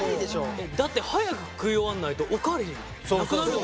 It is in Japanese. だって早く食い終わんないとお代わりなくなるもん。